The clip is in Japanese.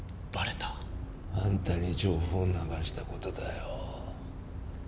あんたに情報流したことだよ。